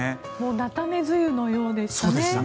菜種梅雨のようでしたね。